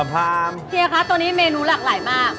เฮียคะตอนนี้เมนูหลากหลายมาก